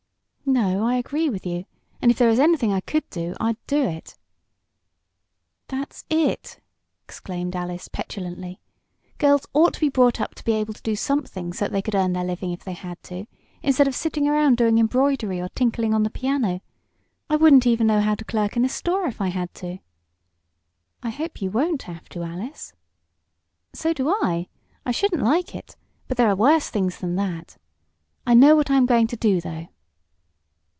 "No, I agree with you, and if there is anything I could do I'd do it." "That's it!" exclaimed Alice, petulantly. "Girls ought to be brought up able to do something so they could earn their living if they had to, instead of sitting around doing embroidery or tinkling on the piano. I wouldn't know even how to clerk in a store if I had to." "I hope you won't have to, Alice." "So do I. I shouldn't like it, but there are worse things than that. I know what I am going to do, though."